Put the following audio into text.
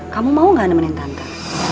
kamu mau gak nemenin tante